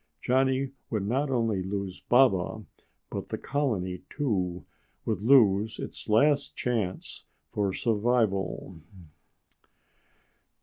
Johnny would not only lose Baba, but the colony, too, would lose its last chance for survival.